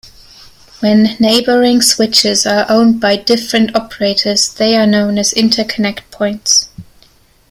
When neighboring switches are owned by different operators, they are known as interconnect points.